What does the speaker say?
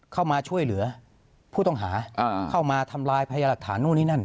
เข้ามาช่วยเหลือผู้ต้องหาเข้ามาทำลายพยายามหลักฐานนู่นนี่นั่น